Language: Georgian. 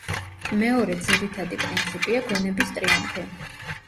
მეორე ძირითადი პრინციპია გონების ტრიუმფი.